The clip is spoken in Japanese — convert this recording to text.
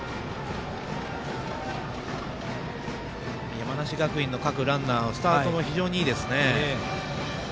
山梨学院の各ランナーはスタートも非常にいいですね。